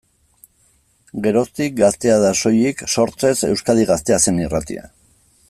Geroztik, Gaztea da, soilik, sortzez Euskadi Gaztea zen irratia.